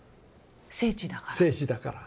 聖地だから。